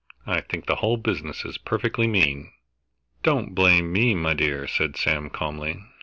I think the whole business is perfectly mean!" "Don't blame me, my dear," said Sam calmly.